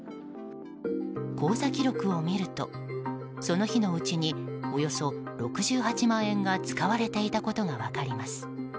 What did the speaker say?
口座記録を見るとその日のうちにおよそ６８万円が使われていたことが分かります。